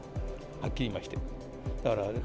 はっきり言いまして。